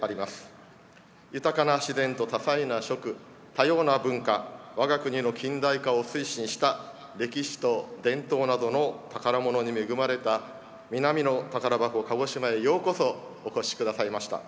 豊かな自然と多彩な食多様な文化、我が国の近代化を推進した歴史と伝統などの宝物に恵まれた南の宝箱、鹿児島へようこそお越しくださいました。